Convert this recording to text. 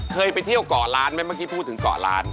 เคยไปเที่ยวเกาะล้านไหมเมื่อกี้พูดถึงเกาะล้าน